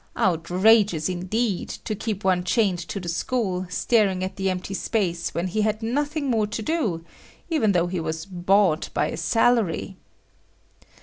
Outrageous, indeed, to keep on chained to the school, staring at the empty space when he had nothing more to do, even though he was "bought" by a salary!